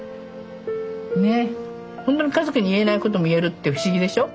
ほんとに家族に言えないことも言えるって不思議でしょ？